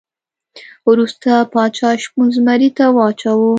وروسته پاچا شپون زمري ته واچاوه.